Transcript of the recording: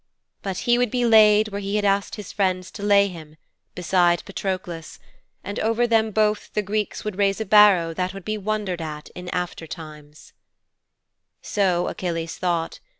But he would be laid where he had asked his friends to lay him beside Patroklos and over them both the Greeks would raise a barrow that would be wondered at in after times.' 'So Achilles thought.